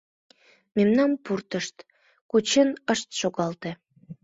Мемнам пуртышт, кучен ышт шогалте.